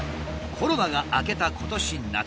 コロナが明けた今年夏。